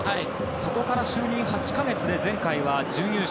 そこから就任８か月で前回は準優勝。